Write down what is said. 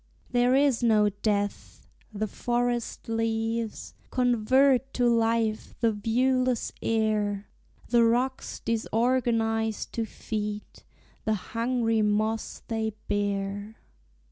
There is no death! the forest leaves Convert to life the viewless air; The rocks disorganize to feed The hungry moss they bear.